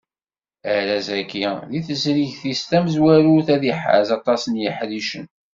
Arraz-agi, deg tezrigt-is tamezwarut, ad iḥaz aṭas n yiḥricen.